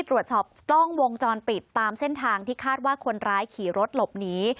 ตรวจสอบกล้องวงจรปิดตามเส้นทางที่คาดว่าคนร้ายขี่รถหลบหนี